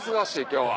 今日は。